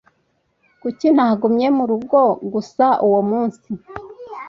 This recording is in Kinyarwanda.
kuki ntagumye mu rugo gusa uwo munsi